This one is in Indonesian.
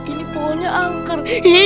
ini pohonnya angkar